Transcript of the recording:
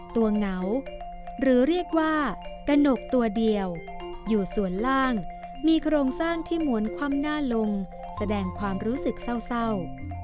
เหงาหรือเรียกว่ากระหนกตัวเดียวอยู่ส่วนล่างมีโครงสร้างที่หม้วนคว่ำหน้าลงแสดงความรู้สึกเศร้า